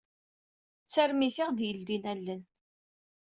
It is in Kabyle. D tarmit i ɣ-d-yeldin allen.